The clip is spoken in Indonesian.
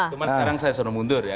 cuma sekarang saya sudah mundur ya